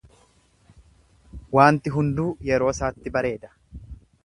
Waanti hunduu yeroosaatti bareeda.